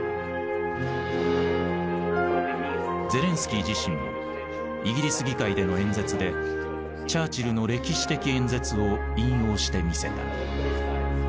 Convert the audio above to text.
ゼレンスキー自身もイギリス議会での演説でチャーチルの歴史的演説を引用してみせた。